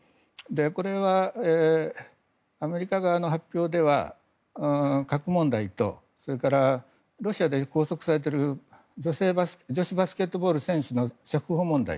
これはアメリカ側の発表では核問題とそれからロシアで拘束されている女子バスケットボール選手の釈放問題